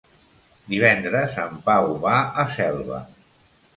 Divendres en Pau va a Selva.